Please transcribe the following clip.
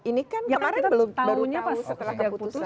ini kan kemarin baru nyapu setelah keputusan